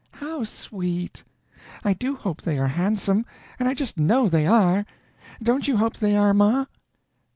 How sweet! I do hope they are handsome, and I just know they are! Don't you hope they are, ma?"